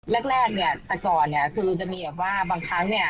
แรกแรกเนี่ยแต่ก่อนเนี่ยคือจะมีแบบว่าบางครั้งเนี่ย